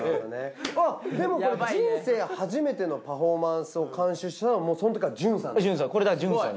でも人生初めてのパフォーマンスを監修したのがそのときからＪＵＮさん。